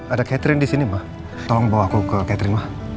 ada catherine disini ma tolong bawa aku ke catherine ma